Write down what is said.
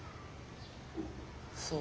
そう。